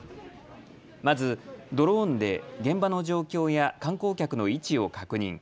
まず、ドローンで現場の状況や観光客の位置を確認。